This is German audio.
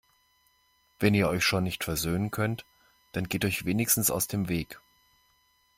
Wenn ihr euch schon nicht versöhnen könnt, dann geht euch wenigstens aus dem Weg!